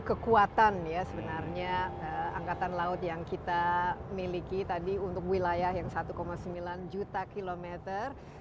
kekuatan ya sebenarnya angkatan laut yang kita miliki tadi untuk wilayah yang satu sembilan juta kilometer